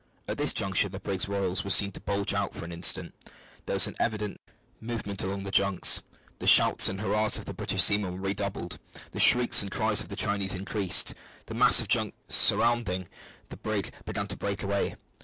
At this juncture the brig's royals were seen to bulge out for an instant; there was an evident movement among the junks; the shouts and hurrahs of the British seamen were redoubled; the shrieks and cries of the Chinese increased. The mass of junks surrounding the brig began to break away.